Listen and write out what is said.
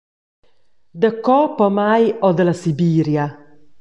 «Daco pomai ord la Sibiria?»